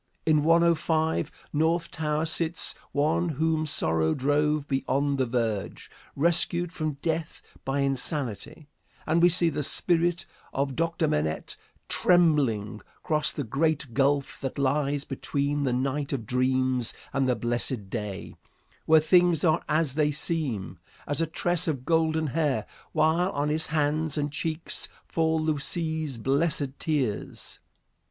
In 105, North Tower, sits one whom sorrow drove beyond the verge, rescued from death by insanity, and we see the spirit of Dr. Manette tremblingly cross the great gulf that lies between the night of dreams and the blessed day, where things are as they seem, as a tress of golden hair, while on his hands and cheeks fall Lucie's blessed tears.